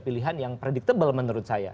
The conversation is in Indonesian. pilihan yang predictable menurut saya